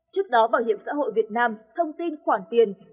trước đó bảo hiểm xã hội việt nam thông tin khoản tiền